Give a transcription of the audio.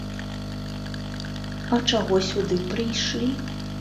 А чаго сюды прыйшлі?